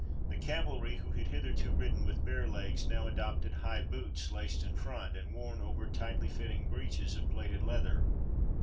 The cavalry, who had hitherto ridden with bare legs, now adopted high boots, laced in front, and worn over tightly fitting breeches of plaited leather.